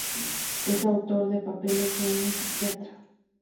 Es autor de "Papeles de un psiquiatra.